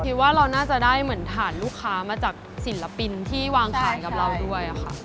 คิดว่าเราน่าจะได้เหมือนฐานลูกค้ามาจากศิลปินที่วางฐานกับเราด้วยค่ะ